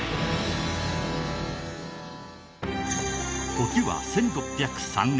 時は１６０３年。